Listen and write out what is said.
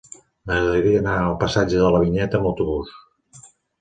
M'agradaria anar al passatge de la Vinyeta amb autobús.